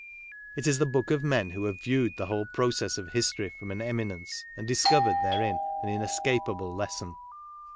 It is the book of men who have viewed the whole process of history from an eminence and discovered therein an inescapable lesson.